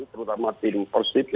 terutama tim persib